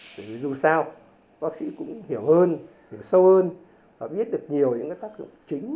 tại vì dù sao bác sĩ cũng hiểu hơn hiểu sâu hơn và biết được nhiều những tác dụng chính và tác dụng phụ của thuốc kháng virus